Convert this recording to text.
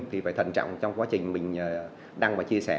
thì phải thận trọng trong quá trình mình đăng và chia sẻ